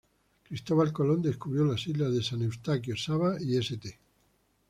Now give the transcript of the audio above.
Cristobal Colón descubrió las islas de San Eustaquio, Saba y St.